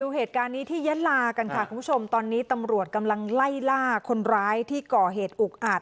เหตุการณ์นี้ที่ยะลากันค่ะคุณผู้ชมตอนนี้ตำรวจกำลังไล่ล่าคนร้ายที่ก่อเหตุอุกอาจ